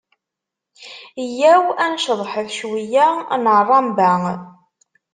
Yya-w ad nceḍḥet cwiyya n ṛṛamba.